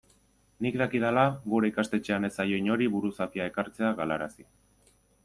Nik dakidala gure ikastetxean ez zaio inori buruzapia ekartzea galarazi.